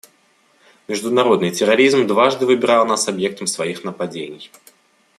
Международный терроризм дважды выбирал нас объектом своих нападений.